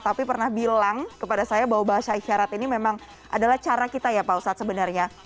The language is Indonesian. tapi pernah bilang kepada saya bahwa bahasa isyarat ini memang adalah cara kita ya pak ustadz sebenarnya